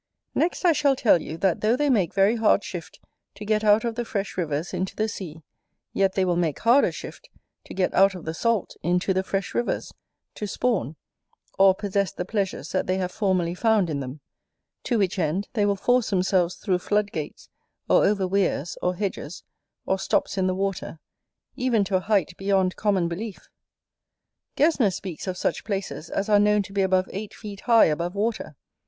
Next, I shall tell you, that though they make very hard shift to get out of the fresh rivers into the sea yet they will make harder shift to get out of the salt into the fresh rivers, to spawn, or possess the pleasures that they have formerly found in them: to which end, they will force themselves through floodgates, or over weirs, or hedges, or stops in the water, even to a height beyond common belief. Gesner speaks of such places as are known to be above eight feet high above water.